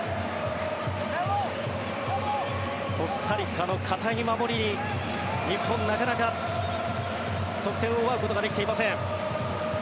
コスタリカの堅い守りに日本、なかなか得点を奪うことができていません。